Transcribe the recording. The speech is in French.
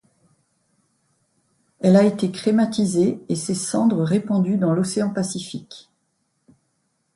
Elle a été crématisée et ses cendres répandues dans l'océan pacifique.